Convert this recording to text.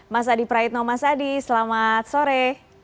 mas adi praitno mas adi selamat sore